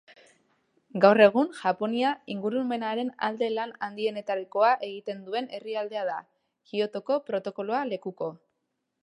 Gaur egun, Japonia inguramenaren alde lan handienetakoa egiten duen herrialdea da, Kyotoko Protokoloa lekuko.